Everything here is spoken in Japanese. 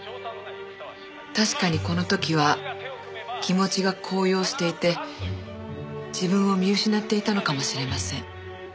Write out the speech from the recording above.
確かにこの時は気持ちが高揚していて自分を見失っていたのかもしれません。